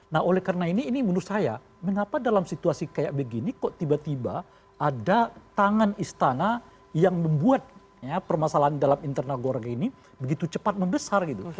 nah oleh karena ini ini menurut saya mengapa dalam situasi kayak begini kok tiba tiba ada tangan istana yang membuat permasalahan dalam internal golkar ini begitu cepat membesar gitu